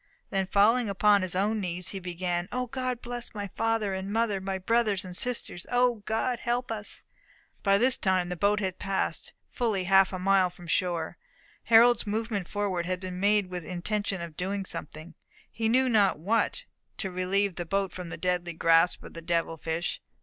Then falling upon his own knees, he began, "O God bless my father and mother, my brothers and sisters! O God help us!" By this time the boat had passed fully half a mile from shore. Harold's movement forward had been made with the intention of doing something, he knew not what, to relieve the boat from the deadly grasp of the devil fish.